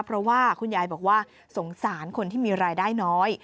เพราะว่าคุณยายบอกว่าสงสารคนที่มีรายได้น้อย